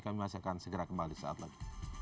kami masih akan segera kembali saat lagi